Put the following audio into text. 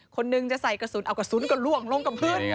คนนึงจะใส่กระสุนเอากระสุนก็ล่วงลงกับพื้น